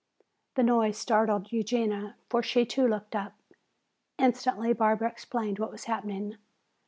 The noise startled Eugenia, for she too looked up. Instantly Barbara explained what was happening.